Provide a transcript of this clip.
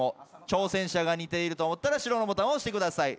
挑戦者が似てると思ったら白のボタンを押してください。